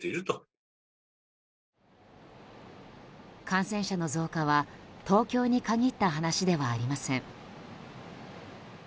感染者の増加は東京に限った話ではありません。